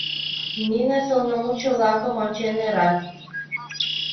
Нине сылнымутчо-влакым ончен ӧрат.